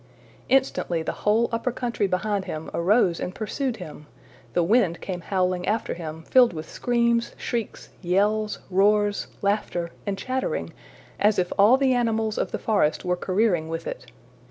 Instantly the whole upper country behind him arose and pursued him! The wind came howling after him, filled with screams, shrieks, yells, roars, laughter, and chattering, as if all the animals of the forest were careering with it.